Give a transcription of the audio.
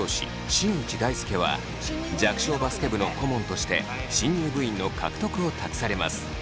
新内大輔は弱小バスケ部の顧問として新入部員の獲得を託されます。